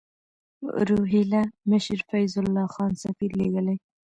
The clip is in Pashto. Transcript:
روهیله مشر فیض الله خان سفیر لېږلی.